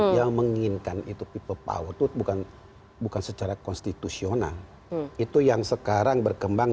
yang menginginkan itu people power itu bukan bukan secara konstitusional itu yang sekarang berkembang